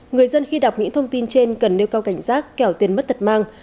người dân khi đọc những thông tin trên cần nêu cao cảnh giác kẻo tiền mất tật mang